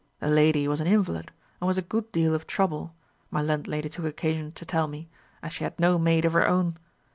The lady was an invalid, and was a good deal of trouble, my landlady took occasion to tell me, as she had no maid of her own.